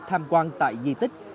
tham quan tại di tích